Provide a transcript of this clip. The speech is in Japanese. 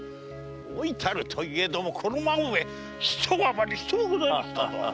老いたるといえどもこの孫兵衛ひと暴れしとうございましたぞ！